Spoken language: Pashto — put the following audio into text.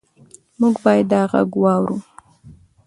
موږ باید دا غږ واورو.